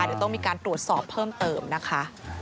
เดี๋ยวต้องมีการตรวจสอบเพิ่มเติมนะคะ